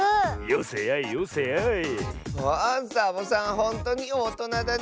ほんとにおとなだねえ。